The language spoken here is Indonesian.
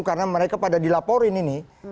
karena mereka pada dilaporin ini